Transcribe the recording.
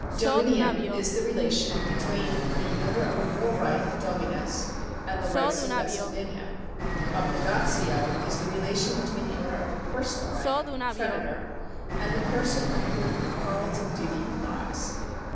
Dominium is the relation between the owner of a real right [dominus) and the right so vested in him. Ohligatio is the relation between the owner of a personal right {creditor) and the person on whom the correlative duty lies.